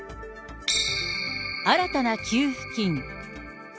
新たな給付金。